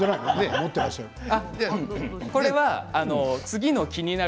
持ってらっしゃる？